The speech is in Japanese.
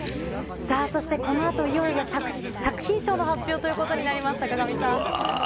そしてこのあと、いよいよ作品賞の発表ということになります、坂上さん。